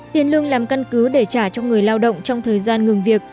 tiền lương làm căn cứ để trả cho người lao động trong thời gian ngừng việc